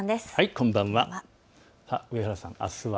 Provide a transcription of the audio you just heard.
こんばんは。